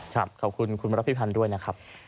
ครับขอบคุณคุณรับพิพันธ์ด้วยนะครับ